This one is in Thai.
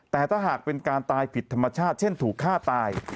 แต่ถ้าหากเป็นการตายผิดธรรมชาติเช่นถูกฆ่าตาย